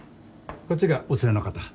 こっちがお連れの方。